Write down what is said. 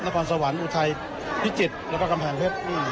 นครสวรรค์อุทัยพิจิตรแล้วก็กำแพงเพชร